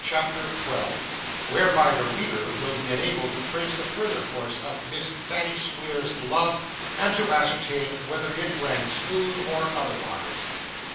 CHAPTER 12 Whereby the Reader will be enabled to trace the further course of Miss Fanny Squeer's Love, and to ascertain whether it ran smooth or otherwise.